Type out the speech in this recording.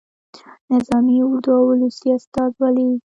نظامي اردو او ولسي استازولي.